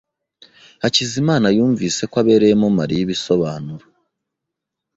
Hakizimana yumvise ko abereyemo Mariya ibisobanuro.